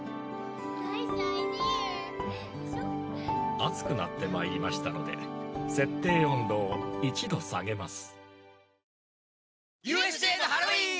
熱くなってまいりましたので設定温度を１度下げます。